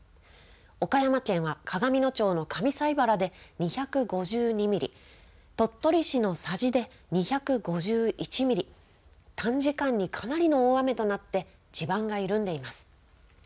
岡山県は鏡野町の上斎原で２５２ミリ、鳥取市の佐治で２５１ミリ、短時間にかなりの大雨となって地盤が緩んでいます。